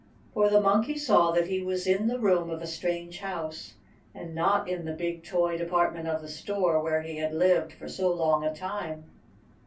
For the Monkey saw that he was in the room of a strange house, and not in the big toy department of the store where he had lived for so long a time.